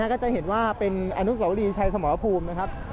ก็จะเห็นว่าเป็นอนุสวรีชัยสมรภูมินะครับ